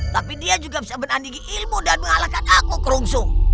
tapi dia juga bisa berandigi ilmu dan mengalahkan aku kerungsung